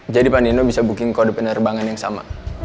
jadi pak nino bisa booking kode penerbangan yang sama